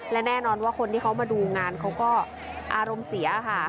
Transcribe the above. และแน่นอนว่าคนที่เขามาดูงานเขาก็อารมณ์เสียค่ะ